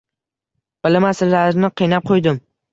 Bilaman, sizlarni qiynab qo‘ydim